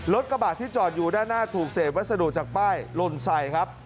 กระบาดที่จอดอยู่ด้านหน้าถูกเศษวัสดุจากป้ายหล่นใส่ครับ